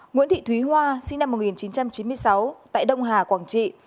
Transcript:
nguyễn thị thúy hoa sinh năm một nghìn chín trăm chín mươi sáu tại đông hà quảng trị